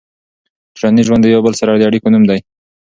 ټولنیز ژوند د یو بل سره د اړیکو نوم دی.